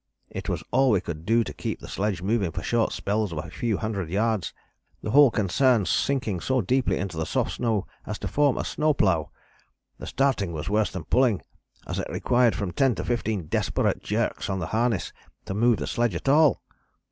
It was all we could do to keep the sledge moving for short spells of a few hundred yards, the whole concern sinking so deeply into the soft snow as to form a snow plough. The starting was worse than pulling as it required from ten to fifteen desperate jerks on the harness to move the sledge at all."